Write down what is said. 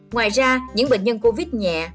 ngoài ra những bệnh nhân covid nhẹ